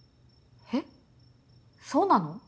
えっそうなの？